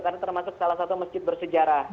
karena termasuk salah satu masjid bersejarah